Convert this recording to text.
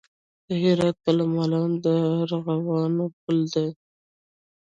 د هرات پل مالان د ارغوانو پل دی